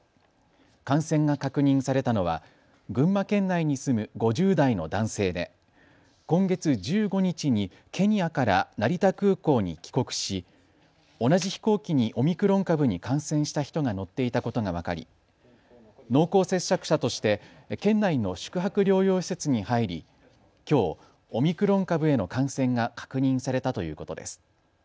感染が確認されたのは群馬県内に住む５０代の男性で今月１５日にケニアから成田空港に帰国し同じ飛行機にオミクロン株に感染した人が乗っていたことが分かり濃厚接触者として県内の宿泊療養施設に入りきょう、オミクロン株への感染が確認されたということです。